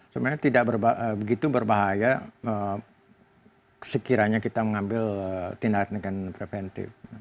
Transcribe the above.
sebenarnya tidak begitu berbahaya sekiranya kita mengambil tindakan dengan preventif